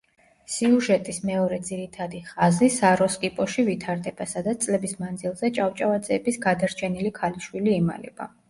სიუჟეტის მეორე ძირითადი ხაზი საროსკიპოში ვითარდება, სადაც წლების მანძილზე ჭავჭავაძეების გადარჩენილი ქალიშვილი იმალება.